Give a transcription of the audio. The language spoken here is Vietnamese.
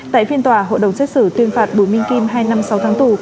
tại phiên tòa hội đồng xét xử tuyên phạt bùi minh kim hai năm sáu tháng tù